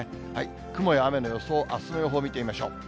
雲や雨の予想、あすの予報を見てみましょう。